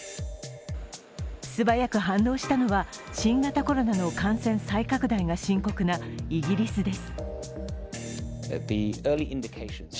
素早く反応したのは新型コロナの感染再拡大が深刻なイギリスです。